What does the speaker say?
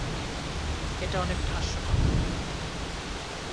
এটা অনেকটা হাস্যকর।